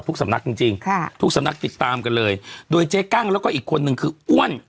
สำนักจริงจริงค่ะทุกสำนักติดตามกันเลยโดยเจ๊กั้งแล้วก็อีกคนนึงคืออ้วน